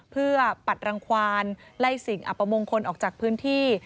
เพื่อปัดรังควานไล่สิ่งอัปมงคลออกจากพื้นที่